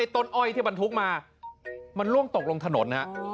ต้นอ้อยที่บรรทุกมามันล่วงตกลงถนนฮะ